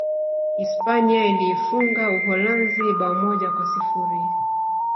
Hispania iliifunga Uholanzi bao moja kwa sifuri